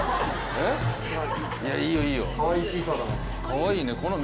かわいいね。